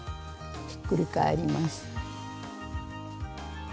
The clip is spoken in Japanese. ひっくり返ります。